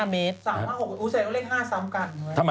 ๑๒๕เมตร